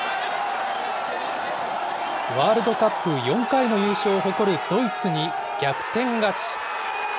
ワールドカップ４回の優勝を誇るドイツに逆転勝ち。